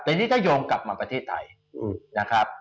แต่นี่ถ้าโยงกลับมาประเทศไทยนะครับ